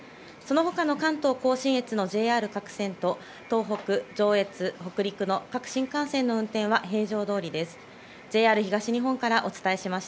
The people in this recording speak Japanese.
そのほかの関東甲信越のＪＲ各線と、東北、上越、北陸の各新幹線の運転は平常どおりです。